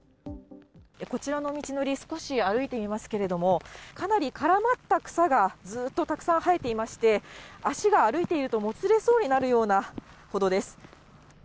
こちらの道のり、少し歩いてみますけれども、かなり絡まった草がずっとたくさん生えていまして、足が、歩いていると、もつれそうになるほどです。